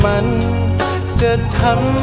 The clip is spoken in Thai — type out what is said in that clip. ยังเพราะความสำคัญ